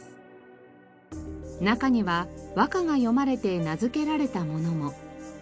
中には和歌が詠まれて名付けられたものも。